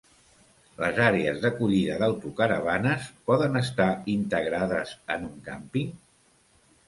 Les àrees d'acollida d'autocaravanes poden estar integrades en un càmping?